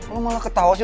lo malah ketawa sih